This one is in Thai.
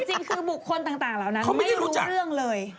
จริงคือบุคคลต่างเหล่านั้นเขาไม่รู้เรื่องเลย